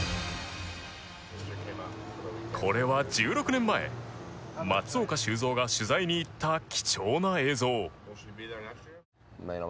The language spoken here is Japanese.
これは１６年前松岡修造が取材に行った貴重な映像。